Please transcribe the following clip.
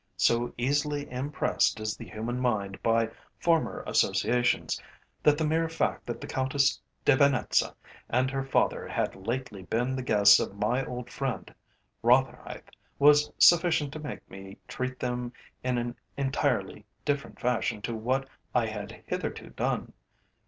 So easily impressed is the human mind by former associations, that the mere fact that the Countess de Venetza and her father had lately been the guests of my old friend, Rotherhithe, was sufficient to make me treat them in an entirely different fashion to what I had hitherto done.